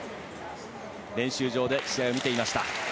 練習場で試合を見ていました。